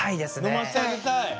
のましてあげたい。